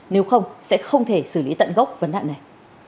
nếu không sẽ không thể xử lý tận gốc vấn nạn này